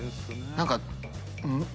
何か。